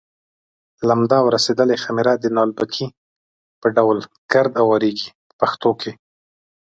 لمده او رسېدلې خمېره د نالبکي په ډول ګرد اوارېږي په پښتو کې.